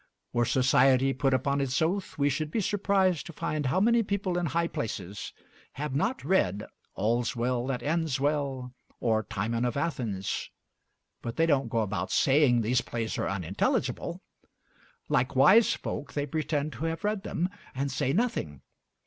Were society put upon its oath, we should be surprised to find how many people in high places have not read 'All's Well that Ends Well,' or 'Timon of Athens'; but they don't go about saying these plays are unintelligible. Like wise folk, they pretend to have read them, and say nothing.